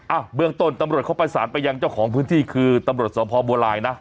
อ่ะเบื้องต้นตำรวจเขาประสานไปยังเจ้าของพื้นที่คือตำรวจสมภาพบัวลายนะ